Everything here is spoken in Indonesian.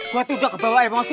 gue tuh udah kebawa emosi